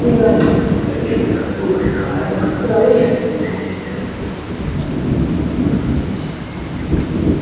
ku buryo bitakorohera uwo ariwe wese kwidegembya muri kimwe nyuma yo gukora ibyaha mu kindi